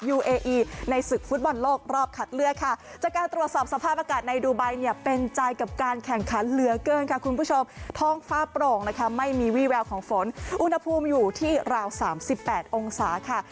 เออีในศึกฟุตบอลโลกรอบคัดเลือกค่ะจากการตรวจสอบสภาพอากาศในดูไบเนี่ยเป็นใจกับการแข่งขันเหลือเกินค่ะคุณผู้ชมท้องฟ้าโปร่งนะคะไม่มีวี่แววของฝนอุณหภูมิอยู่ที่ราว๓๘องศาค่ะ